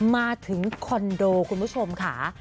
มาถึงคอนโดคุณผู้ชมค่ะ